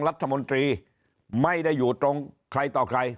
รัฐมนตรีไม่ได้อยู่ตรงใครต่อใคร